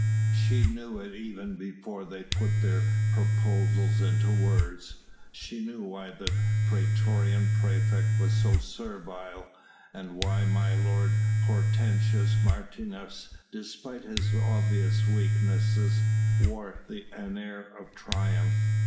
She knew it even before they put their proposals into words; she knew why the praetorian praefect was so servile, and why my lord Hortensius Martius, despite his obvious weakness, wore an air of triumph.